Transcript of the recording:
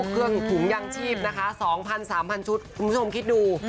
เครื่องถุงยางชีพนะคะ๒๐๐๓๐๐ชุดคุณผู้ชมคิดดู